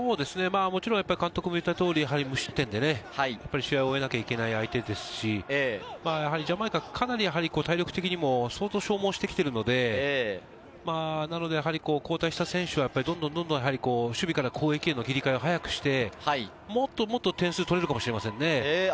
監督の言った通りもちろん無失点で試合を終えなければいけない相手ですし、ジャマイカはかなり体力的にも相当、消耗してきているので、なので交代した選手はどんどん守備から攻撃への切り替えを早くして、もっともっと点数を取れるかもしれませんね。